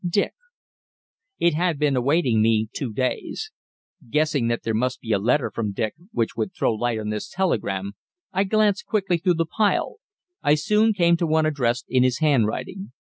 Dick."_ It had been awaiting me two days. Guessing that there must be a letter from Dick which would throw light on this telegram, I glanced quickly through the pile. I soon came to one addressed in his handwriting.